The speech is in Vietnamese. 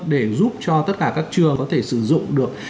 để giúp cho tất cả các trường có thể sử dụng được